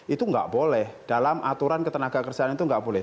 itu nggak boleh dalam aturan ketenaga kerjaan itu nggak boleh